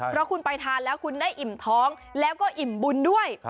เพราะคุณไปทานแล้วคุณได้อิ่มท้องแล้วก็อิ่มบุญด้วย